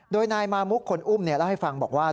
โดยนายมามุกคนอุ้มเล่าให้ฟังบอกว่า